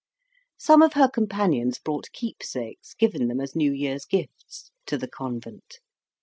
Some of her companions brought "keepsakes" given them as new year's gifts to the convent.